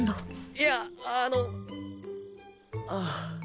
いやあのあ。